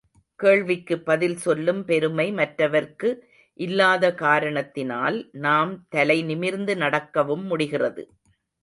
கேள்விக்கு பதில் சொல்லும் பெருமை மற்றவர்க்கு இல்லாத காரணத்தினால் நாம் தலை நிமிர்ந்து நடக்கவும் முடிகிறது.